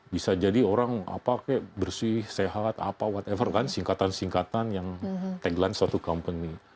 bisa jadi orang apa kayak bersih sehat apa whitever kan singkatan singkatan yang tagline suatu company